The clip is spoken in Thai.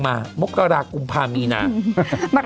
มันติดคุกออกไปออกมาได้สองเดือน